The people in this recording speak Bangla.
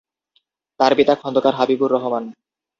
তার পিতা খন্দকার হাবিবুর রহমান।